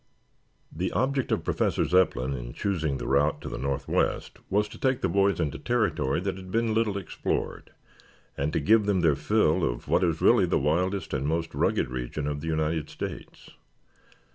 The object of Professor Zepplin in choosing the route to the northwest was to take the boys into territory that had been little explored, and to give them their fill of what is really the wildest and most rugged region of the United States.